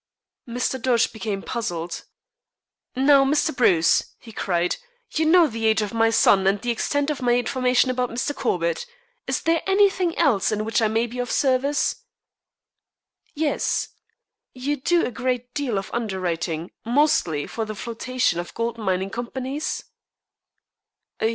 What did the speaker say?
Mr. Dodge became puzzled. "Now, Mr. Bruce," he cried, "you know the age of my son, and the extent of my information about Mr. Corbett. Is there anything else in which I may be of service?" "Yes. You do a great deal of underwriting, mostly for the flotation of gold mining companies?"